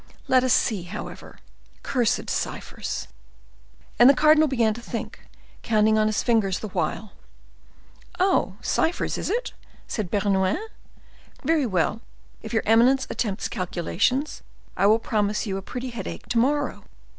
Let us see, however. Cursed ciphers!" And the cardinal began to think, counting on his fingers the while. "Oh, ciphers is it?" said Bernouin. "Very well! if your eminence attempts calculations, I will promise you a pretty headache to morrow!